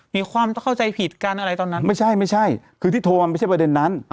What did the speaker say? มีความเข้าใจผิดกันอะไรตอนนั้นไม่ใช่ไม่ใช่คือที่โทรมาไม่ใช่ประเด็นนั้น